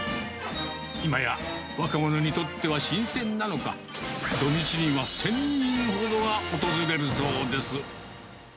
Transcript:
今や若者にとっては新鮮なのか、土日には１０００人ほどが訪れるそうです。